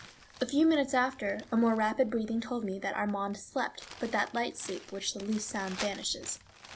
A few minutes after, a more rapid breathing told me that Armand slept, but that light sleep which the least sound banishes.